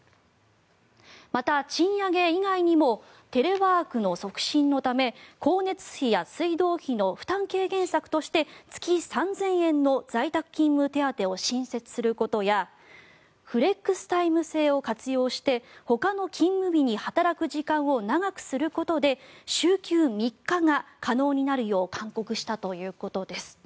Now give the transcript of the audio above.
また、賃上げ以外にもテレワークの促進のため光熱費や水道費の負担軽減策として月３０００円の在宅勤務手当を新設することやフレックスタイム制を活用してほかの勤務日に働く時間を長くすることで週休３日が可能になるよう勧告したということです。